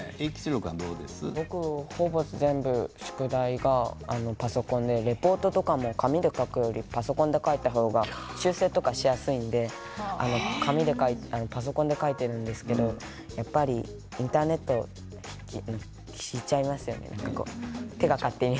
僕ほぼ宿題がパソコンでレポートとかも紙で書くよりパソコンで書いた方が修正とかしやすいので紙でパソコンで書いているんですけれどやっぱりインターネットやっちゃいますよね